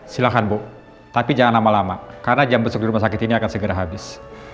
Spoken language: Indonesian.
silahkan bu tapi jangan lama lama karena jam besok di rumah sakit ini akan segera habis